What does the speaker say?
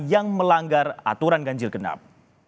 yang melanggar aturan ganjil genap